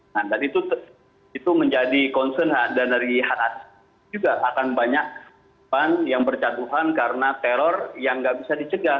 nah dan itu menjadi concern dan dari hak asasi juga akan banyak yang bercaduhan karena teror yang tidak bisa dicegah